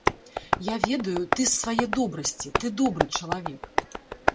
Я ведаю, ты з свае добрасці, ты добры чалавек.